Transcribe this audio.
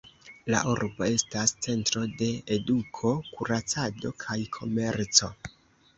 La urbo estas centro de eduko, kuracado kaj komerco.